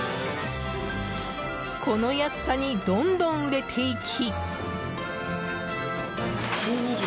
この安さに、どんどん売れていき。